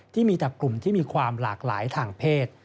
ที่มีแต่กลุ่มที่มีความหลากหลายทางเพศ